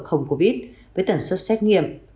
không covid với tần suất xét nghiệm